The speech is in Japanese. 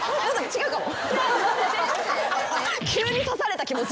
違うかも。